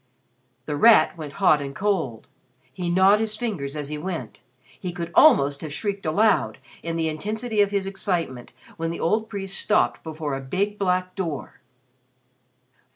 The Rat went hot and cold; he gnawed his fingers as he went. He could almost have shrieked aloud, in the intensity of his excitement, when the old priest stopped before a big black door!